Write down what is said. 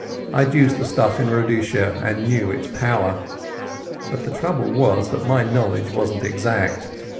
I had used the stuff in Rhodesia and knew its power. But the trouble was that my knowledge wasn't exact.